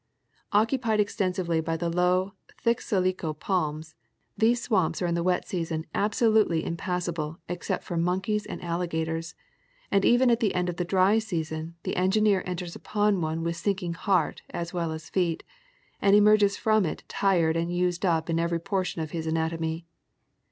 Occupied exclusively by the low, thick Silico palms, these «wamps are in the wet season absolutely impassable except for monkeys and alligators, and even at the end of the dry season the engineer enters upon one with sinking heart as well as feet, and emerges from it tired and used up in every portion of his anatomy.